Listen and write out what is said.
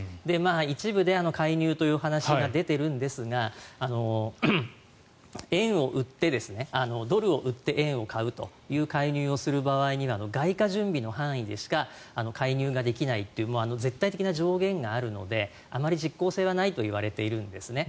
一部で介入という話が出てるんですがドルを売って円を買うという介入をする場合に外貨準備の範囲でしか介入ができないという絶対的な上限があるのであまり実効性はないといわれているんですね。